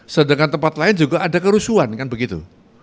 sedangkan tempat lain juga ada kerusuhan kan begitu